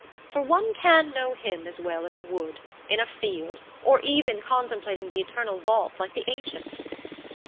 For one can know Him as well in a wood, in a field, or even contemplating the eternal vault like the ancients.